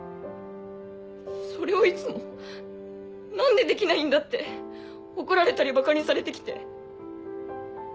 それをいつも何でできないんだって怒られたりばかにされて来て。